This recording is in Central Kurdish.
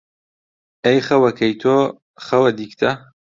ئەی خەوەکەی تۆ خەوە دیگتە،